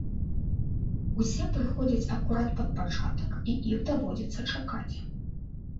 Усе прыходзяць акурат пад пачатак і іх даводзіцца чакаць.